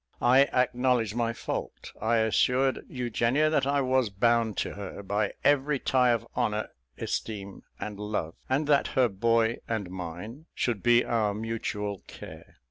I acknowledged my fault, I assured Eugenia that I was bound to her, by every tie of honour, esteem, and love; and that her boy and mine should be our mutual care.